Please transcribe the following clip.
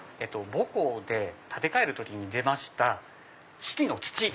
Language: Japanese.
母校で建て替える時に出ました志木の土。